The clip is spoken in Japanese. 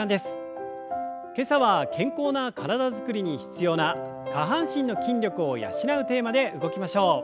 今朝は健康な体づくりに必要な下半身の筋力を養うテーマで動きましょう。